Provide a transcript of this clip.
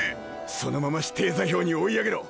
そのまま指定座標に追い上げろ。